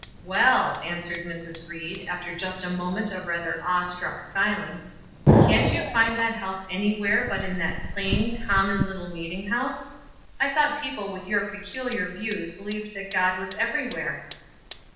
"Well," answered Mrs. Ried, after just a moment of rather awe struck silence, "can't you find that help any where but in that plain, common little meeting house? I thought people with your peculiar views believed that God was every where."